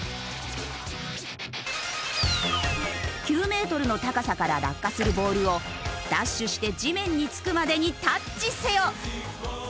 ９メートルの高さから落下するボールをダッシュして地面に着くまでにタッチせよ！